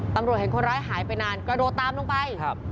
ตำรวจเห็นคนร้ายหายไปนานกระโดดตามลงไป